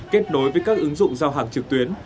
kết nối với các ứng dụng giao hàng trực tuyến